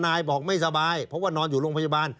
นายบอกไม่สบายเพราะว่านอนอยู่โรงพยาบาล